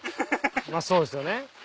まぁそうですよね。